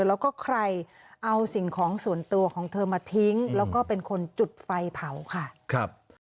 แล้วก็ใครเอาสิ่งของส่วนตัวของเธอมาทิ้งแล้วก็เป็นคนจุดไฟเผาค่ะครับ